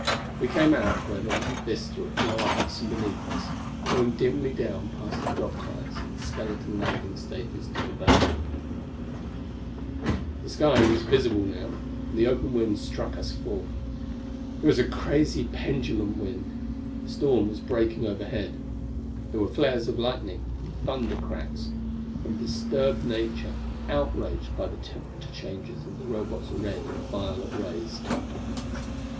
We came out where there was a vista of the lower Hudson beneath us, showing dimly down past the docklights and skeleton landing stages to the bay. The sky was visible now and the open wind struck us full. It was a crazy pendulum wind. A storm was breaking overhead. There were flares of lightning and thunder cracks from disturbed nature, outraged by the temperature changes of the Robot's red and violet rays.